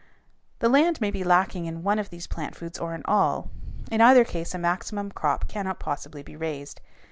The land may be lacking in one of these plant foods or in all; in either case a maximum crop cannot possibly be raised.